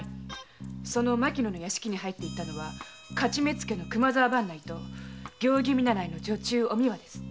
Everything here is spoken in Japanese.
牧野の屋敷に入って行ったのは徒目付の熊沢伴内と行儀見習いの女中・おみわです。